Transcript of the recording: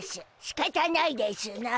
しかたないでしゅな。